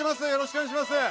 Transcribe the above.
よろしくお願いします